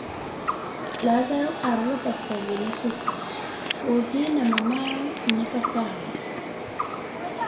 Laazaro aari rapasi wa mwanasisa, wa ohiina mamawe nne papaawe.